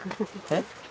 えっ？